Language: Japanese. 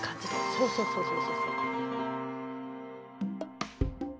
そうそうそうそう。